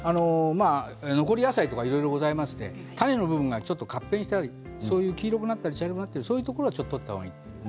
残り野菜とかいろいろございまして種の部分は黄色くなったり茶色くなったりそういうところを取りますね。